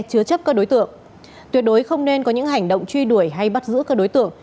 chứa chấp các đối tượng tuyệt đối không nên có những hành động truy đuổi hay bắt giữ các đối tượng